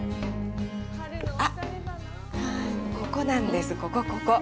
あっ、ここなんです、ここ、ここ！